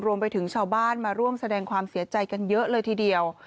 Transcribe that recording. รวมไปถึงชาวบ้านมาร่วมแสดงความเสียใจกันเยอะเลยทีเดียว